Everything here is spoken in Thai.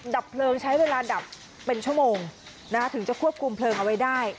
ดับเพลิงใช้เวลาดับเป็นชั่วโมงถึงจะควบคุมเพลิงเอาไว้ได้